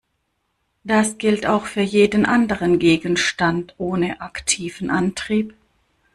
Das gilt auch für jeden anderen Gegenstand ohne aktiven Antrieb.